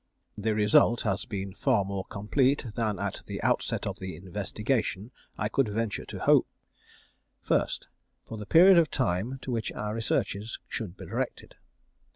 The result has been far more complete than at the outset of the investigation I could venture to hope. 1st. For the period of time to which our researches should be directed.